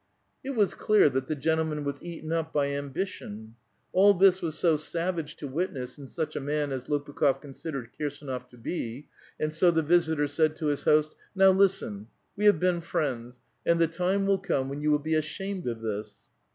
It was clear that the gentleman was eaten up by ambition. All this was so savage to witness in such a man as Lopukh6f considered Kirsdnof to be, and so the visitor said to his host :—" Now, listen ; we have been friends ; and the time will come when you will be ashamed of this."